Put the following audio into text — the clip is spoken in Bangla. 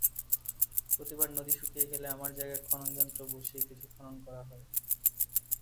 প্রতিবার নদী শুকিয়ে গেলে আমার জায়গায় খননযন্ত্র বসিয়ে কিছু খনন করা হয়।